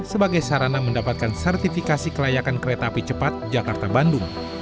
sebagai sarana mendapatkan sertifikasi kelayakan kereta api cepat jakarta bandung